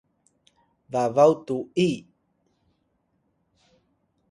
babaw tu’i